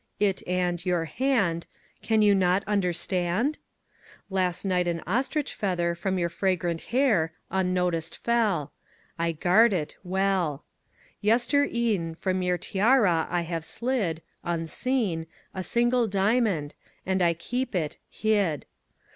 It and Your hand, Can you not understand? Last night an ostrich feather from your fragrant hair Unnoticed fell. I guard it Well. Yestere'en From your tiara I have slid, Unseen, A single diamond, And I keep it Hid.